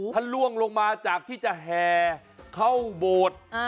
ถ้าล่วงลงมาจากที่จะแห่เข้าโบสถ์